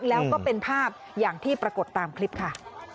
แล้วก็เป็นภาพอย่างที่ปรากฏตามคลิปค่ะ